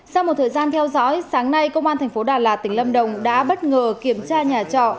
sau một thời gian theo dõi sáng nay công an thành phố đà lạt tỉnh lâm đồng đã bất ngờ kiểm tra nhà trọ